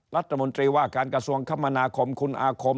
รัฐมนตรีว่าการกระทรวงคมนาคมคุณอาคม